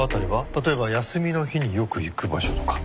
例えば休みの日によく行く場所とか。